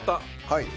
はい。